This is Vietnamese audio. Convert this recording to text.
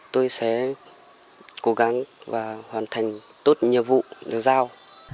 tôi sẽ cố gắng và hoàn thành tốt nhiệm vụ được giao